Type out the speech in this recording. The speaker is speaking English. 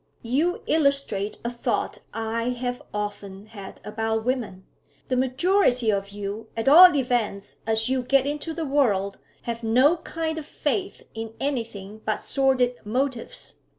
'You illustrate a thought I have often had about women. The majority of you, at all events as you get into the world, have no kind of faith in anything but sordid motives.